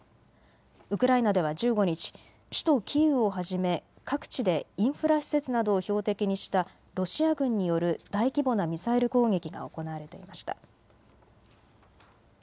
ウクライナでは１５日、首都キーウをはじめ各地でインフラ施設などを標的にしたロシア軍による大規模なミサイル攻撃が行われていました。